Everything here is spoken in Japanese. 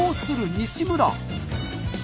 西村。